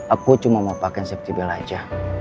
aku cuma mau pake safety belt aja